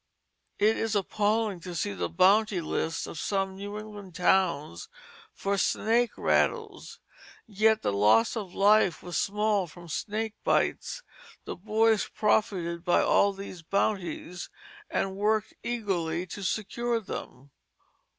It is appalling to see the bounty lists of some New England towns for snake rattles. Yet the loss of life was small from snake bites. The boys profited by all these bounties, and worked eagerly to secure them.